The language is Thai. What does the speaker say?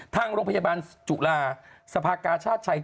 ทางโรงพยาบาลจุฬาสภากาชาติชัย